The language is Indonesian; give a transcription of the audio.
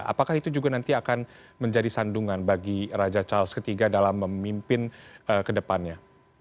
apakah itu juga nanti akan menjadi sandungan bagi raja charles iii dalam memimpin ke depannya